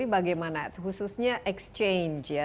bagaimana khususnya exchange ya